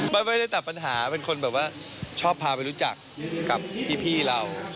ไม่ได้ตัดปัญหาเป็นคนแบบว่าชอบพาไปรู้จักกับพี่เรา